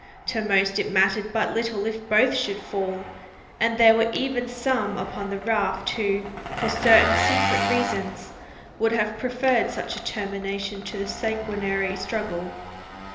To most it mattered but little if both should fall; and there were even some upon the raft who, for certain secret reasons, would have preferred such a termination to the sanguinary struggle.